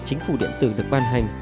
chính phủ điện tử được ban hành